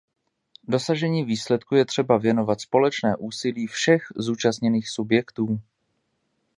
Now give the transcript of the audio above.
Dosažení výsledku je třeba věnovat společné úsilí všech zúčastněných subjektů.